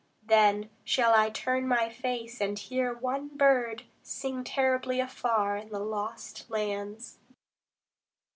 Then shall I turn my face, and hear one bird Sing terribly afar in the lost lands.